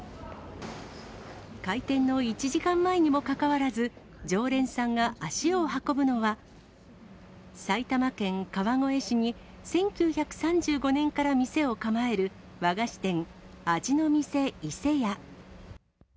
開店の１時間前にもかかわらず、常連さんが足を運ぶのは、埼玉県川越市に１９３５年から店を構える和菓子店、味の店いせや。